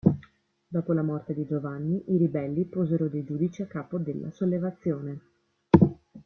Dopo la morte di Giovanni, i ribelli posero dei giudici a capo della sollevazione.